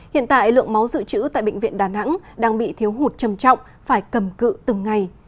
hiện tại lượng máu dự trữ tại bệnh viện đà nẵng đang bị thiếu hụt trầm trọng phải cầm cự từng ngày